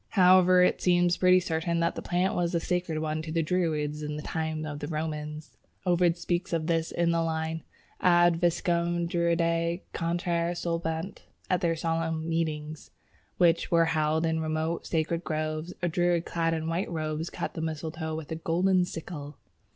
However, it seems pretty certain that the plant was a sacred one to the Druids in the time of the Romans. Ovid speaks of this in the line, "Ad Viscum Druidæ cantare solebant." At their solemn meetings, which were held in remote sacred groves, a Druid clad in white robes cut the mistletoe with a golden sickle.